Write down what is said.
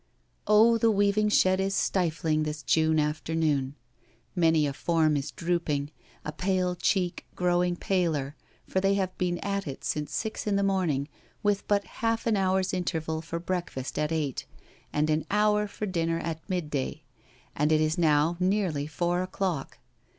Oh, the weaving shed is stifling this June afternoon I Many a form is drooping, and pale cheek growing paler, for they have been at it since six in the morning with but half an hour's interval for breakfast at eight, and an hour for dinner at midday, and it is now nearly four o'clock.